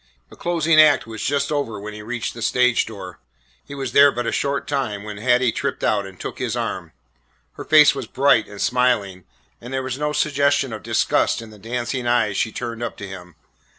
The closing act was just over when he reached the stage door. He was there but a short time, when Hattie tripped out and took his arm. Her face was bright and smiling, and there was no suggestion of disgust in the dancing eyes she turned up to him.